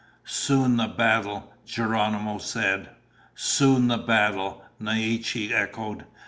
"Soon the battle," Geronimo said. "Soon the battle," Naiche echoed.